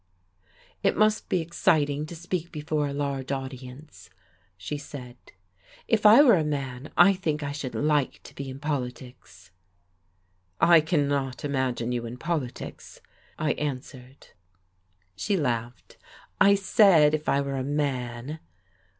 "It must be exciting to speak before a large audience," she said. "If I were a man, I think I should like to be in politics." "I cannot imagine you in politics," I answered. She laughed. "I said, if I were a man."